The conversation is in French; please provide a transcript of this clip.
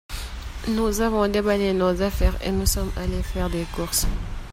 Nous avons déballé nos affaires, et nous sommes allés faire des courses.